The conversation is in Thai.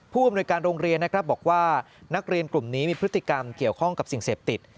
ผู้อำนวยการโรงเรียนนะครับบอกว่านักเรียนกลุ่มนี้มีพฤติกรรมเกี่ยวข้องกับสิ่งเสพติด